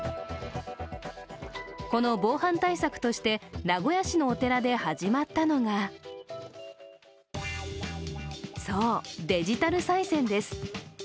この防犯対策として、名古屋市のお寺で始まったのがそう、デジタルさい銭です。